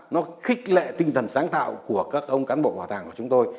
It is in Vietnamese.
nó khích lệ tinh thần sáng tạo của các ông cán bộ bảo tàng của chúng tôi